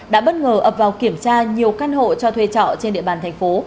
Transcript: đã bất ngờ ập vào kiểm tra nhiều căn hộ cho thuê trọ trên địa bàn thành phố